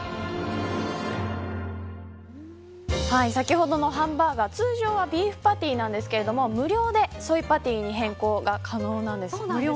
先ほどのハンバーガー通常はビーフパティなんですが無料でソイパティに変更が可能なんです。